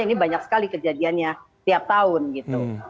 ini banyak sekali kejadiannya tiap tahun gitu